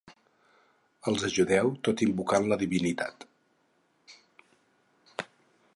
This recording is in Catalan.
Els ajudeu tot invocant la divinitat.